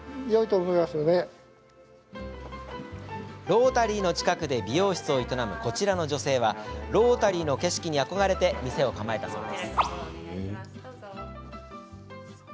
ロータリーの近くで美容室を営む、こちらの女性はロータリーの景色に憧れて店を構えたそう。